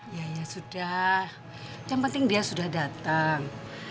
ya ya sudah yang penting dia sudah datang